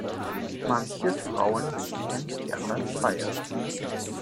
Manche Frauen gehen gerne feiern.